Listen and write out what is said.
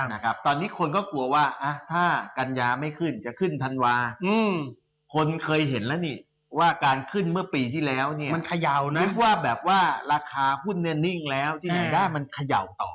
นะครับตอนนี้คนก็กลัวว่าถ้ากัญญาไม่ขึ้นจะขึ้นธันวาคนเคยเห็นแล้วนี่ว่าการขึ้นเมื่อปีที่แล้วเนี่ยมันเขย่านะนึกว่าแบบว่าราคาหุ้นเนี่ยนิ่งแล้วที่ไหนได้มันเขย่าต่อ